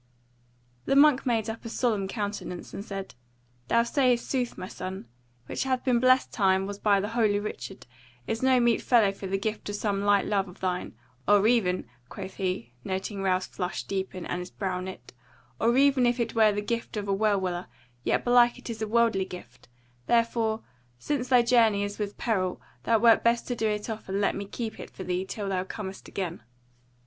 The monk made up a solemn countenance and said: "Thou sayest sooth, my son; it is most like that my chaplet, which hath been blessed time was by the holy Richard, is no meet fellow for the gift of some light love of thine: or even," quoth he, noting Ralph's flush deepen, and his brow knit, "or even if it were the gift of a well willer, yet belike it is a worldly gift; therefore, since thy journey is with peril, thou wert best do it off and let me keep it for thee till thou comest again."